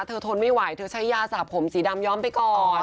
ทนไม่ไหวเธอใช้ยาสาบผมสีดำย้อมไปก่อน